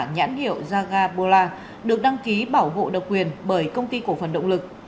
nhãn hiệu jagabola được đăng ký bảo vộ độc quyền bởi công ty cổ phần động lực